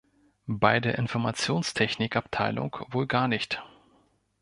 Bei der Informationstechnik Abteilung wohl gar nicht.